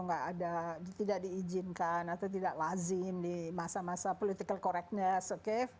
tidak ada tidak diizinkan atau tidak lazim di masa masa political correctness oke